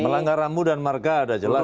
melanggar rambu dan marga ada jelas